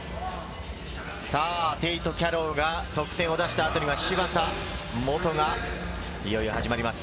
テイト・キャロウが得点を出した後には芝田モトがいよいよ始まります。